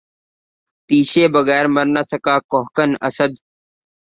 تیشے بغیر مر نہ سکا کوہکن، اسد